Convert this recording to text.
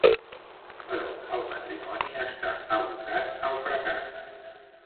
Però el matrimoni està abocat al fracàs.